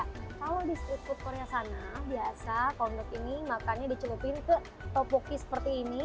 kalau di street food korea sana biasa kondok ini makannya diculupin ke topoki seperti ini